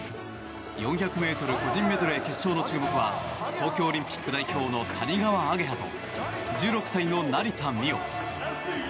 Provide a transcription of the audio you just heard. ４００ｍ個人メドレー決勝の注目は東京オリンピック代表の谷川亜華葉と１６歳の成田実生。